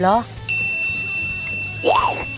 เหรอ